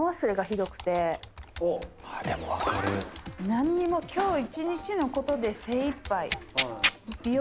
何にも今日一日のことで精いっぱい。